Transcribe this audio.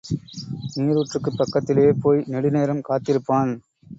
நீருற்றுக்குப் பக்கத்திலே போய் நெடுநேரம் காத்திருப்பான்.